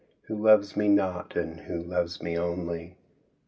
Who loves me not, and who loves me only?''